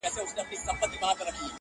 خپل لویې موږک ته اوه سره بلا سوه,